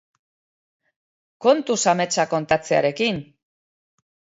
Kontuz ametsak kontatzearekin!